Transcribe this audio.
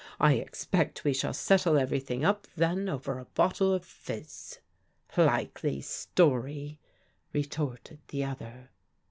I expect we shall settle everything up then over a bottle of ' fizz.' "" Likely story," retorted the other.